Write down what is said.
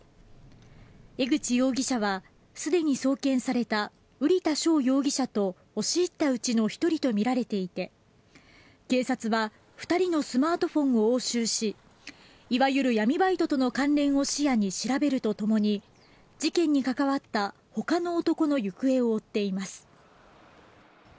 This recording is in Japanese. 江口容疑者はすでに送検された瓜田翔容疑者と押し入ったうちの１人とみられていて警察は２人のスマートフォンを押収しいわゆる闇バイトとの関連を視野に調べるとともに事件に関わったほかの男の行方を追っています。